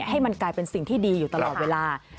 ให้มันกลายเป็นสิ่งที่ดีอยู่ตลอดเวลา